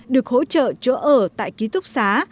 được hỗ trợ chỗ ở tại ký túc xá